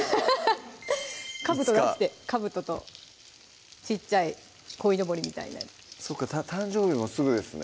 かぶと出してかぶとと小っちゃいこいのぼりみたいなそっか誕生日もすぐですね